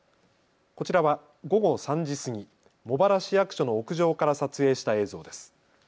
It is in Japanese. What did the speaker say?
こちらは午後３時過ぎ茂原市役所の屋上から撮影した映像です。